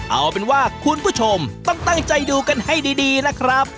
เอาเป็นว่าคุณผู้ชมต้องตั้งใจดูกันให้ดีนะครับ